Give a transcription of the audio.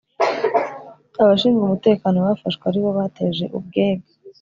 Abashinzwe umutekano bafashwe aribo bateje ubwega